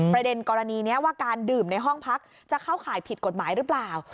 ประเด็นกรณีนี้ว่าการดื่มในห้องพักจะเข้าข่ายผิดกฎหมายหรือเปล่า